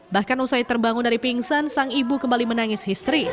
bahkan usai terbangun dari pingsan sang ibu kembali menangis histeris